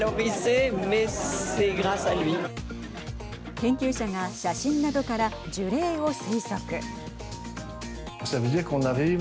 研究者が写真などから樹齢を推測。